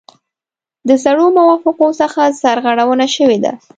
د زړو موافقو څخه سرغړونه شوې ده.